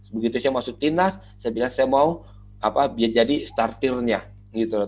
begitu saya masuk timnas saya bilang saya mau jadi startirnya gitu loh